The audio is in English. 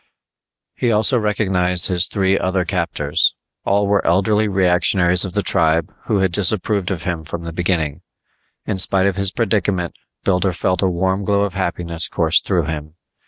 He also recognized his three other captors; all were elderly reactionaries of the tribe who had disapproved of him from the beginning. In spite of his predicament Builder felt a warm glow of happiness course through him.